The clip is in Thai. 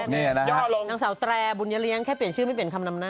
พี่หนุ่มก็รู้จัก